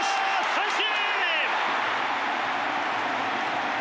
三振！